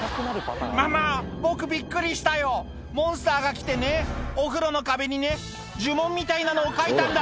「ママ僕びっくりしたよモンスターが来てねお風呂の壁にね呪文みたいなのを書いたんだ」